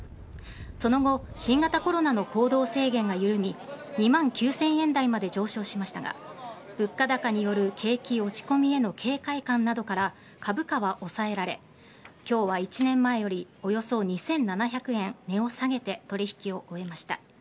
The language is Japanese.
その後新型コロナの行動制限が緩み２万９０００円台まで上昇しましたが物価高による景気落ち込みへの警戒感などから株価は抑えられ今日は１年前よりおよそ２７００円値を下げて取引を終えました。